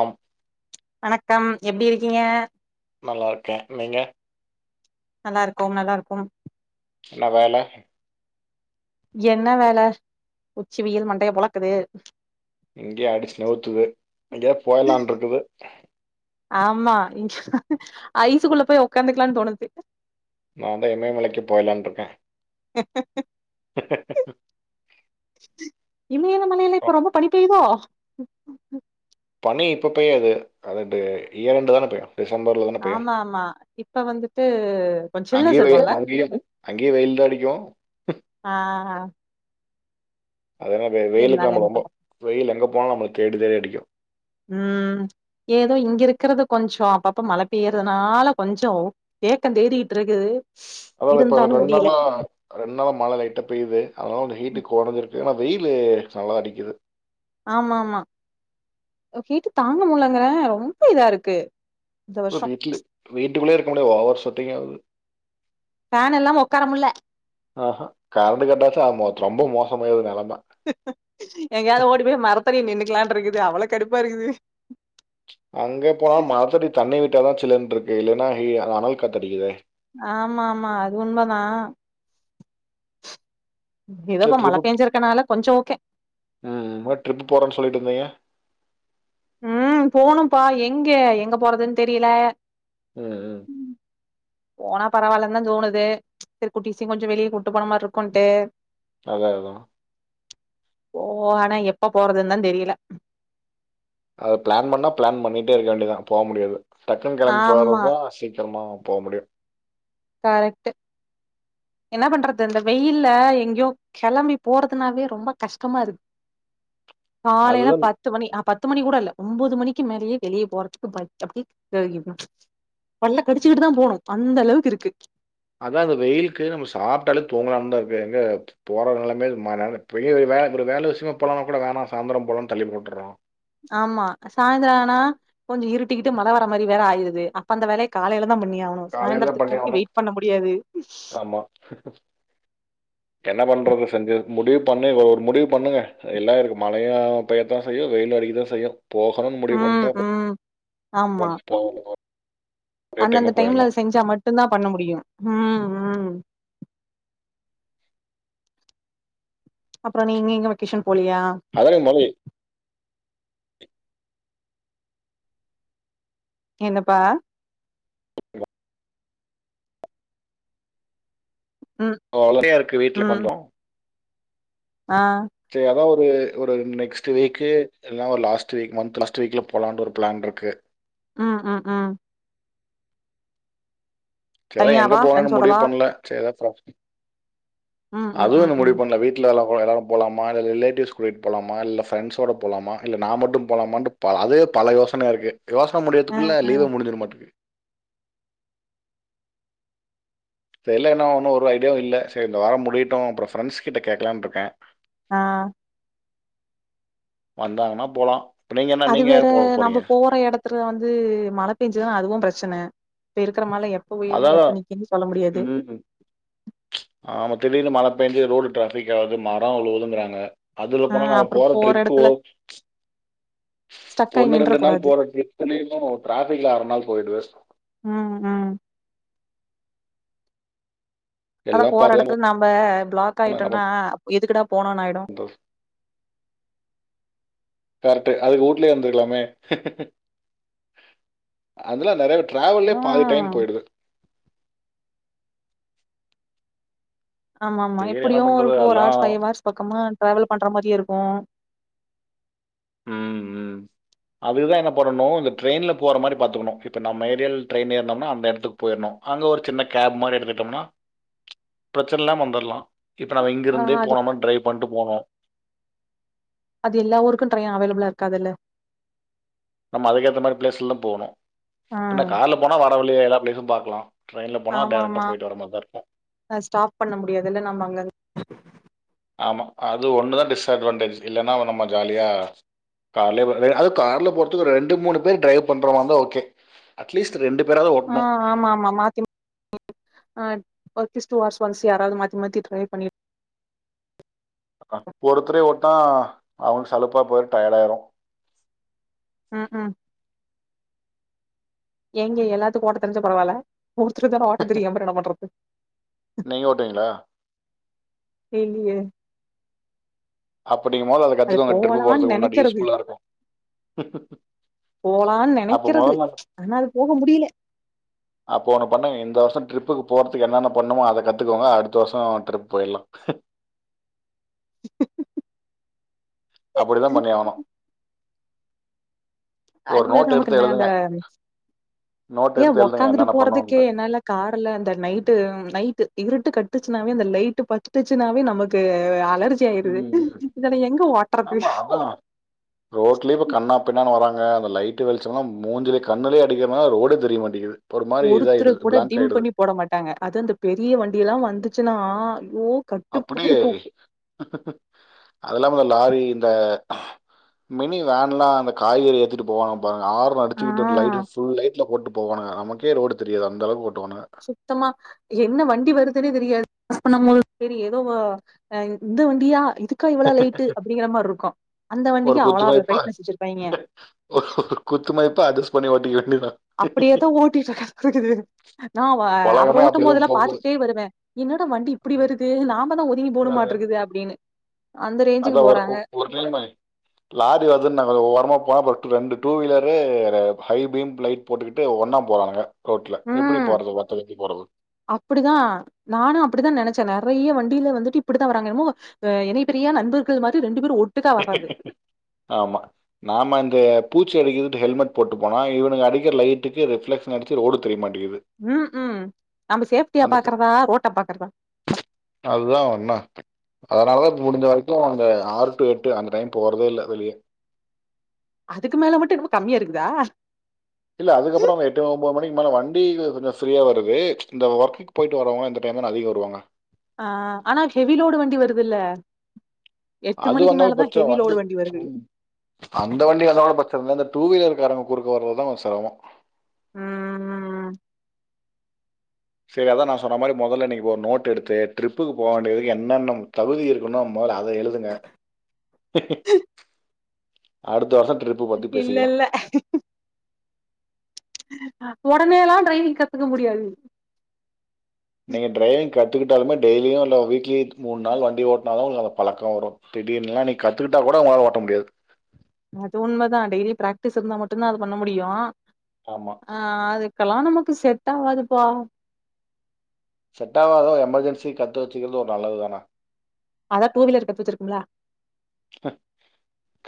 ஆங் வணக்கம் எப்டி இருக்கீங்க நல்லா இருக்கே நீங்க நல்லா இருக்கோம் நல்லா இருக்கோம் என்ன வேல என்ன வேலஉச்சிவெயில் மண்டைய பொழக்குது இங்கேயே அடிச்சு நவுத்துது எங்கயா போய்லாடுருக்குது ஆமா இங்க ஐசுக்குள்ள போய் உக்காந்துக்கலானு தோணுது நா தா இமயமலைக்கே போய்லான்னு இருக்கே இமய மலையில ஓ, இப்ப ரொம்ப பனிப்பெய்தோ பனி இப்ப பெய்யாது அதெண்டு இயர் எண்டு தான பெய்யு டிசம்பர்ல தான பெய்யு ஆமா ஆமா இப்ப வந்துட்டு கொஞ்ச அங்கேயு சில்னஸ் வெயி இருக்கும்ல அங்கேயு அங்கேயு வெயில்தா அடிக்கு ஆ அதுலா பெய்யாது வெயிலுக்கு இருந்தாலும் நம்ப என்ன ரொம்போ பண்றது வெயில் எங்க போனாலு நம்மள தேடி தேடி அடிக் யோ ம் ஏதோ இங்க இருக்குறது கொஞ்சோ அப்பப்ப மழ பெய்யறதுனால கொஞ்சோ ஏக்க தேடிட்ருக்குது அதாதா இப்ப ரெண்டு நாளா ரெண்டு நாளும் மழ லைட்டா பெய்து அதுனால வந்து ஹீட்டு கொறஞ்சிருக்குனா வெயிலு நல்லா அடிக்குது ஆமா ஆமா அ ஹீட்டு தாங்க முட்லங்க ரொம்ப இதா இருக்கு இந்த இப்ப வருஷம் வீட்ல வீட்டுகுள்ளே இருக்க முடியாது ஓவர் சு ட்டிங்காவுது ஃபேன் இல்லாம ஒக்காரமுல்ல ஆஹா கரண்டு கட்டாச்சா ஆ மொத் ரொம்ப மோசமாயுது நெலம் எங்கேயாவது ஓடி போய் மரத்தடில நின்னுக்கலான்ட்ருக்கு து அவளோ கடுப்பா இருக்குது அங்கே போனாலு மரத்தடி தண்ணி விட் டாதா சில்லுன்ட்ருக்கு இல்லனா ஹீ அந்த அனல் காத்தடிக்குதே ஆமா ஆமா அது உண்மதா [unintelligible] ஏதோப்பா மழ ம் பேஞ்சிருக்கனால கொஞ்சோ ஓகே ம் வ ட்ரிப்பு போறேன்னு சொல்லிட்டு இருந்தீங்க ம் போணும்ப்பா எங்க எங்க போறதுன்னு தெரில ம் ம் போனா பரவால்லன்னு தா தோணுது சேரி குட்டிசும் கொஞ்சம் வெளியே கூட்டு போன மார்ருக்குன்ட்டு அத்தா அத்தா போவோ ஆனா எப்ப போறதுந்தா தெரில அது பிளான் பண்ணா பிளான் பண்ணிட்டே இருக்க வேண்டியதா போ முடியாது டக்குன் கெளம்பி ஆமா போறதுதா சீக்கிரமா போ முடியும் கரெக்ட் என்ன பண்றது இந்த வெயில்ல எங்கேயோ கெளம்பி போறதுனாவே ரொம்ப கஷ்டமா இருக் காலையில அதுதான் பத்து மணி ஆ பத் த்து மணி கூட இல்ல ஒம்போது மணிக்கு மேலயே வெளியே போறதுக்கு ப அப்புடியே க பல்ல கடிச்சுக்கிட்டு தா போணும் அந்த அளவுக்கு இருக்கு அதான் அந்த வெயிலுக்கு நம்ம சாப்ட்டாலே தூங்கலான்னு தா இருக்கு எங்க போற நெலம [unintelligible] வேல ஒரு வேல விஷயமா போலனா கூட வேணாம் சாந்தரம் போலான்னு தள்ளி போட்டுறோம் ஆமா சாய்ந்தரானா கொஞ்சோ இருட்டிக்கிட்டு மழை வர மாரி வேற ஆயிருது அப்ப அந்த வேலைய காலையில தா பண்ணி ஆகணு காலையில சாயந்தரத்துக்கு பண்ணி வரைக்கு ஆவனு வெயிட் பண்ண முடியாது ஆமா என்ன பண்றது செஞ்சது முடிவு பண்ணுங்கோ ஒரு முடிவு பண்ணுங்க எல்லா இருக்கு மழையா பெய்யத்தா செய்யு வெயிலு அடிக்குதா செய்யு போகனுன் முடிவுக் ம் வன்டா ம் ஆமா [inaudible] ஒரே அந்தந்த டைமா டைம்ல போயிடலாம் செஞ்சா மட்டடந்தா பண்ண முடியு ம் அப்றோ நீங்க எங்க வெக்கேஷன் போலியா அதான் முதல்ல என்னப்பா ம் [inaudible] இருக்கு வீட்ல கொஞ்சோ அ ஒரு நெக்ஸ்டு வீக்கு இல்னா ஒரு லாஸ்டு வீக்கு மந்த்து லாஸ்டு வீக்ல போலான்டு ஒரு ப்ளான்ருக்கு அ அ அ [unintelligible] எங்க தனியாவா போனோன்னு முடிவு ஃப்ரெண்ட்ஸோடவா பண்ல செரி ம் [inaudible] ம் அதுவு ம் இன்னு ம் முடிவு பண்ல வீட்ல எல்லா [unintelligible] எல்லாரரு போலாமா இல் ரிலேட்டிவ்ஸ் கூடிட் போலாம இல்ல ஃப்ரெண்ஸோட போலாம இல்ல நா மட்டும் போலாமான் ப அது பல யோசன இருக்கு யோஸ்ன அ முடியிற்துக்குள்ள அ லீவே முடிஞ்சிடு மாட்டுக்கு தெர்ல என்ன ஒன்னு ஒரு ஐடியாவு இல்ல செர் இந்த வாரம் முடியட்டு அப்புறோ ஃப்ரெண்ஸ் கிட்ட கேக்கலான்ட்ருக்கே அ வந்தாங்கன்னா போலா அது வேற நம்போ போற எடத்துல வந்து மழ பெஞ்சுதா அதுவு ப்ரெச்சன பேருக் [unintelligible] ம் ச்ச் ஆமா திடீனு மழ [unintelligible] ரோடு டிராஃபிக் ஆவ்து மரோ உழுகுதுன்றாங்க அதுல ஆ போனா நம்ம அப்புறோ போற ட்ரிப்பு எடத்துல [unintelligible] ச்ச் ஸ்டக் ஆயி ஒன்னு நின்ற ரெண்டு நாள் கூடாது போற ட்ரிப்புமே [inaudible] டிராஃபிக்ல அர நாள் போய்ட்து ம் ம் அதா எல்லாம் போற பார்த்து தான் எடத்துல நம்ப ப்ளாக் போகணும் என்ன ஆய்ட்டோன்னா எதுக்குடா போனோனாய்டு பண்ணுறது [unintelligible] அதுக்கு ஊட்லியே இர்ந்துர்க்கலாமே அதல்லா நெறைய பேர் ட்ராவலே பாதி டைம் ம் போய்டுது ஆமா ஆமா சரி என்ன எப்புடியு ஒரு பண்ணுறது ஃபோர் ஆர்ஸ் எல்லாம் ஃபைவ் ஆர்ஸ் பக்கமா ட்ராவல் பன்ற மாரியே இருக்கோ ம் ம் அதுதா என்ன பண்ணணோ இந்த ட்ரெயின்ல போற மாரி பாத்துக்குனோ இப்ப நம்ம ஏரியல் ட்ரெயின் ஏர்னம்னா அந்த எடத்துக் போயிட்னோ அங்க ஒரு சின்ன கேப் மாரி எடுத்துட்டோம்னா ச்ச் ப்ரெச்சனில்லாம் வந்துர்லா இப்ப நம்ம ஆ இங்கிருந்தே அது போனோமா ட்ரைவ் பன்ட்டு போனோ அது எல்லா ஊருக்கு ட்ரெய்ன் அவைலபிளா இர்க்காதுல நம்ம அதுக்கேத்த மாதிரி பிளேஸ்ல தான் போகனும் என்ன ம் கார்ல போனா வர எல்லா பிளேஸும் பாக்கலாம் ஆமா ஆமா ஸ்டாப் பண்ண முடியாதுல்ல நம்ம அங்க ஆமா அது ஒண்ணுதான் டிஸ் அட்வான்டேஜ் இல்லேன்னா நம்ம ஜாலியா கார்லே அதுவும் கார்ல போறதுக்கு ரெண்டு மூணு பேர் ட்ரை பண்ற மாதிரி இருந்தா ஓகே அட்லீஸ் ரெண்டு பேராவது ஓட்டணும் ஆஹ் ஆமா ஆமா மாத்தி மா ஆஸ் ஒன்ஸ் ஒன்ஸ்யாராவது மாத்தி மாத்தி ட்ரை பண்ண அப்ப ஒருத்தரே ஹாங் அவங்க சலுப்பா போய்ட்டு டயர்ட ஆயிரும் உ உம் எங்க எல்லாத்துக்கு ஓட்ட தெரிஞ்சா பரவாயில் ஒருத்தருக்கு தானே ஓட்ட தெரியும்வேற என்ன பண்றது நீங்க ஓட்டுவீங்களா இலே அப்படி நீங்க மொதகத்துக்குங்க ட்ரிப் போறதுக்கு முன்னாடி முன்னாடி நெனைக்கிறது யூஸ் ஃபுல்லா இருக்கும் போலான்னு நெனைக்கிறது ஆனா அது போக முடியல அப்ப ஒண்ணுபண்ணுங்க இந்த வருஷம் ட்ரிப் ட்ரிப்புக்கு போறதுக்கு என்னென்ன பண்ணுமோ அதை கத்துக்கோங்க அடுத்த வருஷம் ட்ரிப் போயிடலாம் அப்படிதான் பண்ணி ஆவணும். ஒரு அது வேற நோட் நமக்கு எடுத்து என்ன அந்த எழுதுங்க. நோட் ஏன் எடுத்து எழுதுங்க உக்காந்துட்டு என்னென்ன போறதுக்கே பண்ணணுன்ட்டு. என்னாலே கார்ல அந்த நைட்டு நைட்டு இவரு கட்டுச்சுனாவே அந்த லைட் பட்டுர்ச்சுனாவே நமக்கு அல உம் ஆமா அதான் ரோட்லய இப்ப கன்னா பின்னான்னு வராங்க அந்த லைட்டு வெளிச்சோம்லா மூஞ்சிலே கண்ணுலேயே அடிக்கிறதுனால ரோடே தெரிய மாட்டிங்கிது ஒருத்தர் கூட டிம் பண்ணி போட மாட்டாங்க அதும் அந்த பெரிய வண்டி எல்லாம் வந்துச்சுன்னா ஐயோ கட்டுப்பா அப்படியே இருக்கு அதல்லாம லாரி இந்த மினி வேன்லாம் அந்த காய்கறி ஏத்துட்டு போவாங்க பா ஆர்ன் ஆ அடிச்சிக்கிட்டு லைட்ல புல் லைட் போட்டு போன நமக்கே ரோடு தெரியாது அந்த அளவுக்கு ஓட்டுவானுங்க. சுத்தமா என்ன வண்டி வருதுன்னே தெரியாது அப்போ நம்ம சரி ஏதோ இந்த வண்டியா இதுக்கா இவ்வளோ லைட்டு அப்படிங்கிற மாரி இருக்கு அந்த ஒரு வண்டிக்கு அவ்வளோ குத்துமதிப்பா பிரைட்னஸ் வச்சிருப்பாய்ங்க ஒரு குத்துமதிப்பா அட்ஜஸ்ட் பண்ணி ஓட்டிக்க வேண்டியதுதான் அப்படியேதான் ஓட்டிட்டு இருக்க இருக்குது நான் அவர் உலகமே ஓட்டும் அப்படிதான் போதெல்லாம் போகுது. பார்த்துட்டே வருவேன் என்னாடா வண்டி இப்படி ம். வருது நாம தான் ஒதுங்கி அ. போகணும்மாட்டே இருக்குது அப்படின்னு அந்த ரேஞ்சுக்கு அதான் ஒரு போறாங்க ஒரு நிலமை லாரி வருதுனு நா ஓரமா போனபாரு ரெண்டு two wheeler high beam light போட்டுக்கிட்டு ஒன்னா போறாங்க உம் அப்படிதான் நானும் அப்படிதான் நினைச்சேன் நிறைய வண்டி வந்துட்டு இப்படித்தான் வராங்க என்னமோ இணைபிரியா நண்பர்கள் மாதிரி ரெண்டு பேரும் ஓட் ஆமா நாம இந்த பூச்சி அடிக்கிதுன்ட்டு ஹெல்மெட் போட்டு போனா இவுனுக அடிக்கிற லைட்டுக்கு ரிஃப்லெக்ஷன் அடிச்சு ரோடு தெரியமாட் ம் ம் நம்ம சேஃப்டிய அந்த க பாக்கறதா ரோட்ட பாக்கறதா அதனாலதா ப்ப முடிஞ்ச வரைக்கு அந்த ஆறு டு எட் டு அந்த டைம் போறதே இல்ல வெளிய அதுக்கு மேல மட்டு என்னமோ கம்மியா இருக்குதா இல்ல அதுக்கப்புற எட்டு ஒம்போது மணிக்கு மேலே வண்டி கொஞ்ச ஃப்ரீயா வருது இந்த ஒர்க்குக்கு போயிட்டு வரவங்களா இந்த டைம் தான அதிக வருவாங்க ஆ ஆனா ஹெவி லோடு வண்டி வருதுல்ல எட்டு அது மணிக்கு வந்தாலும் மேலதா பிரச்சனை ஹெவி வண்டி லோடு வருது அந்த வண்டி வந்தால பிரச்சனை டூ வீலர் காரங்க குறுக்க வர்றதுதான் கொஞ்சம் சிரமம் ஆ ஆ செரி அதான் நான் சொன்ன மாரி மொதல்ல நீ ஒரு நோட் எடுத்து ட்ரிப்புக்கு போ வேண்டியது என்னென்ன தகுதி இருக்கனும் மொதல்ல அத அத எழுதுங்க அடுத்த வருஷ இல்லல்ல உடனேல்லாம் ட்ரைவிங் கத்துக்க முடியாது நீங்க டிரைவிங் கத்துக்கிட்டாலுமே டெய்லியு இல்ல வீக்லி மூன் நாள் வண்டி ஓட்டுனா தான் உங்களுக்கு அந்த பழக்கம் வரும் திடீர்னுல்லா நீ கத்துகிட்டா கூட உங்களால ஓட்ட முடியாது அது உண்மதான் டெய்லி பிராக்டிஸ் இருந்தா மட்டும்தான் அது பண்ண முடியோ ஆமா ஆ அது இதுக்கெல்லாம் நமக்கு செட் ஆவாதுப்பா செட்டாவாதுனா எமர்ஜென்சி கத்து வச்சுக்கிறது ஒரு நல்லது தானா அதான் டூ வீலரு கத்து வச்சிருக்கோம்ல்ல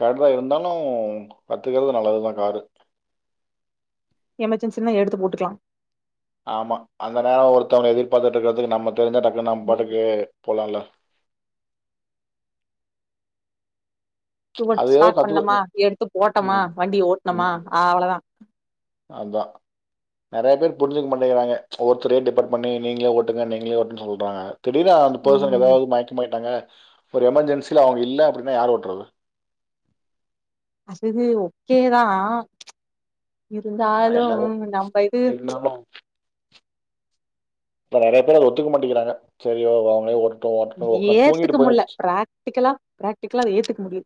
கடை இருந்தாலும் கத்துக்கறது நல்லதுதான் காரு எமர்ஜென்சின்னா எடுத்து போட்டுக்கலாம் ஆமா அந்த நேர ஒருத்தவன எதிர்பாத்துட்டு இருக்கறதுக்கு நம்ம தெரிஞ்சா டக்குன் நம்ம ம் பாட்டுக்கு போலால்ல டுவா அது ஏதோ ஸ்டார்ட் பண்ணமா கத்துக்க எடுத்து போட்டமா ம், வண்டி ஓட்னமா அவ்வளதா அதா நெறைய பேர் புரிஞ்சிக்க மாட்டேங்கிறாங்க ஒவ்வொருத்தரையு டிபெண்ட் பண்ணி நீங்களே ஓட்டுங்க நீங்களே ஓட்டுன் சொல்றாங்க திடீர்னு அந்த பெர்சன் ம் எதாவது மயக்க மாய்ட்டாங்க ஒரு எமர்ஜென்சில அவங்க இல்ல அப்டின்னா யார் ஓட்றது அசரி ஓகேதா இருந்தாலு எல்லாரும் நம்ப இது இருந்தாலு இப்ப நெறையா பேரு அத ஒத்துக்க மாட்டேங்கிறாங்க சரிவா அவங்களே ஓட் டட்டு உக்கா தூங்கிட்டு ஏத்துக்க முல்ல போயிருச்சு பிராக்டிக்கலா பிராக்டிக்கலா அத ஏத்துக்க முடியு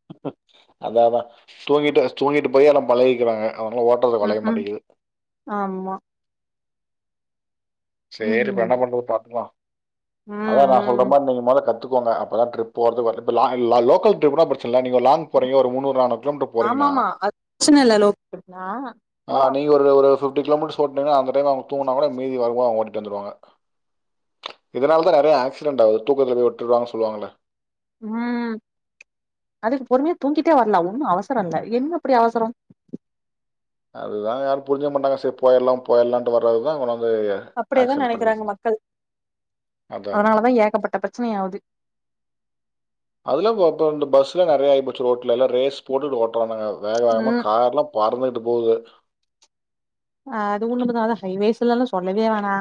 அதா அதா தூங்கிட்டு தூங்கிட்டு போய் எல்லா பழகிக்கிறாங்க அதனால ஓட்டறதுக் ம் வளைய ம் மாட்டேங்கிது ஆமா ம் சரி இப்ப என்ன ம் பண்றது பாத்துக்கலா அதா நா சொல்ற ம் மாரி நீங்க மொத கத் துகோங்க அப்பதா ட்ரிப் போறது வரது லா லோக்கல் ட்ரிப் பிரச்ச இல்ல நீங்க லாங் போரிங்க ஒரு மூன்னுரு நானுர் ஆமாமா அ பிரச்சன இல்ல [inaudible] ஆ நீங்க ஒரு ஒரு ஃபிஃப்டி கிலோமீட்டர்ஸ் ஓட்னீங்கன்னா அ ப்பயே நாங்க தூங்னா கூட மீதி வரும் அவங்க ஓட்டிட்டு வந்துருவாங்க இதனால தா நெறைய ஆக்சிடென்ட் ஆகுது தூக்கத்துல போய் விட்டுருவாங்க சொல்லுவாங்கள ம் அதுக்கு பொறுமையா தூங்கிட்டே வரலா ஒன்னு அவசரம் இல்ல என்ன அப்படி அவசரம் அதுதா யாரு புரிஞ்சுக்க மாட்டாங்க சரி போயல்லா போயலான்ட்டு வரறதுதா இங்கன அப்படியேதா நெனைக்கிறாங்க மக்கள் அதா அதனாலதா ஏகப்பட்ட பிரச்சனையாவுது அதுலாம் ப ப பஸ்லா நெறையா ஆகி போச்சு ரோட்ல எல்லா ரேஸ் போட்டுட்டு ஓட்டுறானுங்க வேக வேகமா ம் கார்லா பறந்துட் டு போது அ அதுவுண்ணுமதாவது ஹைவேஸ்லல்லா சொல்லவே வேணா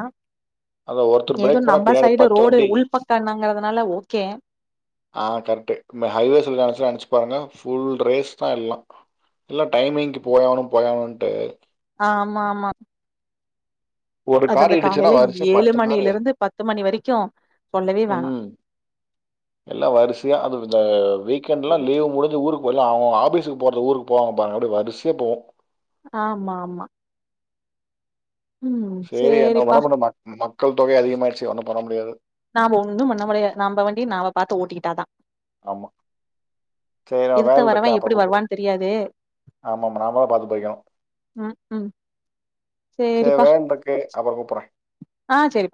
அந்த ஒருத்தர் எது பிரேக் பண்ணால் நம்ம பின்னாடி சைடு பத்து ரோடு வண்டி உள் பக்கன்னாங்கறத அனால ஓகே ஆ கரெக்ட்டு இந்த ஹைவேஸ்ல நெனச்ச நெனச்சி பாருங்க ஃபுல் ரேஸ் தா எல்லா எல்லா டைமிங்க்கு போயாவணு போயாவணுன்ட்டு ஆமா ஆமா ஒரு அது காரு அந்த இடுச்சுன்னா காலையில வரிசயா ஏழு பத்து காரு மணில இருந்து பத்து மணி வரைக்கு சொல்லவே வேணா ம் எல்லா வரிசையா அது த வீக்கண்ட்ல்லா ம் லீவ் முடிஞ்சு ஊருக் போல்லா அவ அவங்க ஆபீஸுக்கு போறது ஊருக்கு போவாங்க பாருங்க அப்டி வரிசையா போவு ஆமா ஆமா ம் சேரி என்ன சேரிப்பா [unintelligible] மக்கள் தொகை அதிகமாயிடுச்சு ஒன்னும் பண்ண முடியாது நாம ஒன்னும் பண்ண முடியாது நம்ப வண்டிய நாம பாத்து ஓட்டிக்கிட் டா தா ஆமா சரி நா எதுத்த வேலல வரவ இருக்கே அப்பறோ எப்டி கூப்பறே வருவான்னு தெரியாது ஆமா ஆமா நாம தா பாத்து போய்க்கணும் ம் ம் சேரி சேரிப்பா வேன் இருக்கு அப்புறம் கூப்பறே ஆ சேரிப்பா